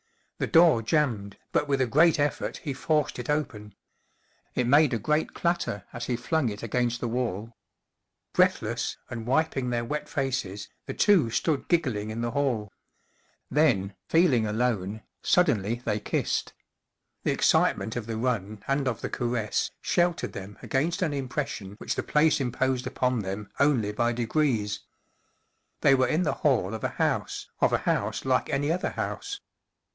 The door jammed, but with a great effort he forced it open. It made a great clatter as he flung it against the wall. Breathless, and wiping their wet faces, the two stood giggling in the hall. Then, feel¬ ing alone, suddenly they kissed. The excite¬ ment of the run and of the caress sheltered them against an impression which the place imposed upon them only by degrees. They were in the hall of a house, of a house like any other house.